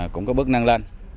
cũng có bước nâng lên